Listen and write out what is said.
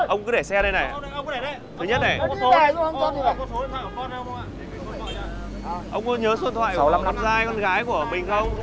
ông có nhớ xuân thoại của con gái của mình không